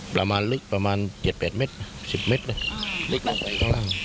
ประมาณลึกประมาณ๗๘เมตร๑๐เมตรเลย